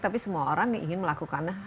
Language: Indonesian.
tapi semua orang yang ingin melakukannya